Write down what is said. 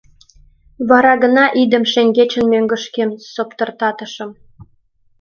Вара гына идым шеҥгечын мӧҥгышкем соптыртатышым...